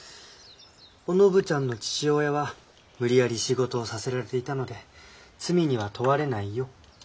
お信ちゃんの父親は無理やり仕事をさせられていたので罪には問われないよ。